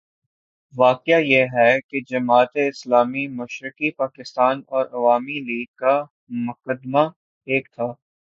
واقعہ یہ ہے کہ جماعت اسلامی مشرقی پاکستان اور عوامی لیگ کا مقدمہ ایک تھا۔